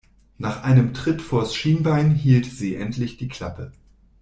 Nach einem Tritt vors Schienbein hielt sie endlich die Klappe.